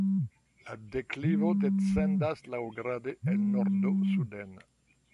La deklivo descendas laŭgrade el nordo suden.